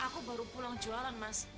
aku baru pulang jualan mas